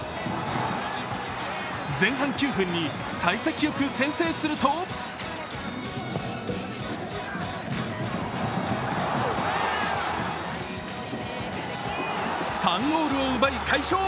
前半９分にさい先よく先制すると３ゴールを奪い、快勝。